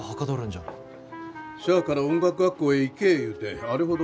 しゃあから音楽学校へ行けえ言うてあれほど。